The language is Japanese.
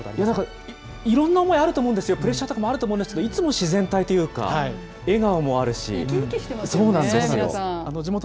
なんか、いろんな思いあると思うんですよ、プレッシャーとかもあると思うんですけれども、いつも自然体というか、笑顔もある生き生きしてますよね、皆さそうなんですよね。